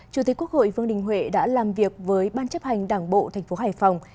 chủ tịch quốc hội vương đình huệ đã làm việc với ban chấp hành đảng bộ tp hải phòng